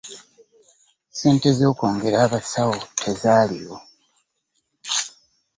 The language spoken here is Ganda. Ssente z'okwongera abasawo tezaaliwo